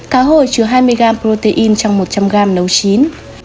cá hồi chứa hai mươi g protein trong một trăm linh g nấu chín